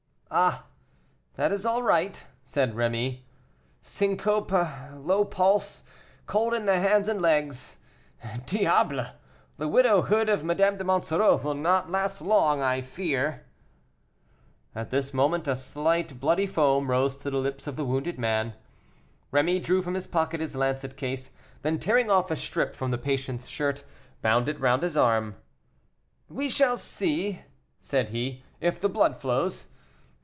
"Ah! that is all right," said Rémy, "syncope, low pulse, cold in the hands and legs: Diable! the widowhood of Madame de Monsoreau will not last long, I fear." At this moment a slight bloody foam rose to the lips of the wounded man. Rémy drew from his pocket his lancet case; then tearing off a strip from the patient's shirt, bound it round his arm. "We shall see," said he, "if the blood flows.